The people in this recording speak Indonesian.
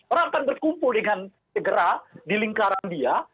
orang akan berkumpul dengan segera di lingkaran dia